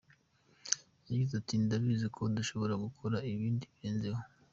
Yagize ati “Ndabizi ko dushobora gukora ibindi birenzeho.